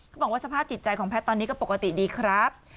บอกว่าสภาพจิตใจของแพทย์ตอนนี้ก็ปกติดีครับ